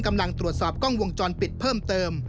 กำลังตรวจสอบกล้องวงจรปิดเพิ่มเติม